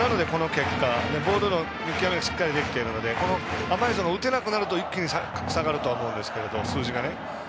ボールの勢いがしっかり出てるので甘いゾーンが打てなくなると一気に下がると思うんですけど数字がね。